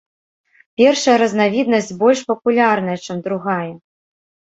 Першая разнавіднасць больш папулярная, чым другая.